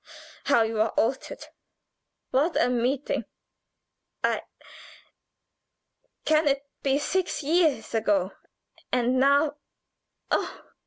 _ how you are altered! What a meeting! I can it be six years ago and now oh!"